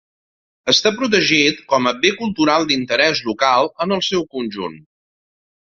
Està protegit com a bé cultural d'interès local en el seu conjunt.